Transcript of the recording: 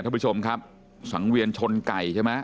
ท่านผู้ชมครับสังเวียนชนไก่ใช่ไหม